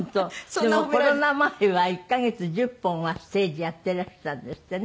でもコロナ前は１カ月１０本はステージやってらしたんですってね。